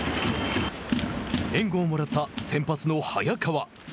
援護をもらった先発の早川。